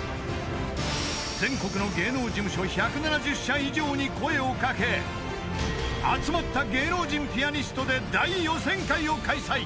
［全国の芸能事務所１７０社以上に声を掛け集まった芸能人ピアニストで大予選会を開催］